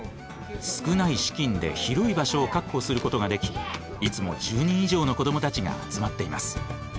少ない資金で広い場所を確保することができいつも１０人以上の子どもたちが集まっています。